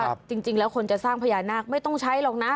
จริงแล้วคนจะสร้างพญานาคไม่ต้องใช้หรอกนะ